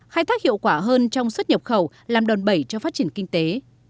khai thác hiệu quả hơn trong xuất nhập khẩu làm đòn bẩy cho phát triển kinh tế